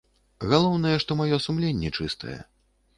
Галоўнае, што маё сумленне чыстае.